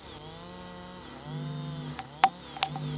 阿梅林格豪森是德国下萨克森州的一个市镇。